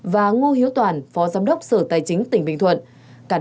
và ngô hiếu toàn phó giám đốc sở tài chính tỉnh bình thuận